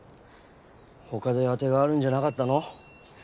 他であてがあるんじゃなかったの？